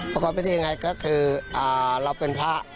ประกอบพิธียังไงก็คือเราเป็นพระ